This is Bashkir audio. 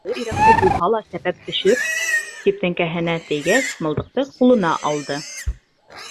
Әйҙә әле, бер өйрәкте булһа ла сәпәп төшөр, тип теңкәһенә тейгәс, мылтыҡты ҡулына алды.